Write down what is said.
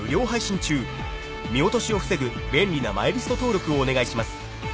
［見落としを防ぐ便利なマイリスト登録をお願いします］